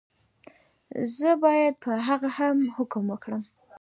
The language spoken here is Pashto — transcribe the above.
زه باید په هغه هم حکم وکړم.